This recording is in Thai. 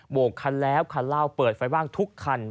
โกกคันแล้วคันเล่าเปิดไฟว่างทุกคัน